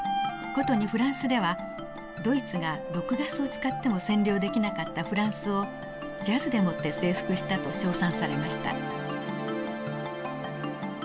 ことにフランスでは「ドイツが毒ガスを使っても占領できなかったフランスをジャズでもって征服した」と称賛されました。